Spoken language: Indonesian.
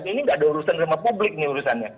ini nggak ada urusan rumah publik ini urusannya